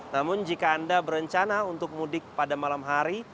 namun jika anda berencana untuk mudik pada malam hari